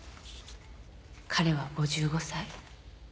彼は５５歳。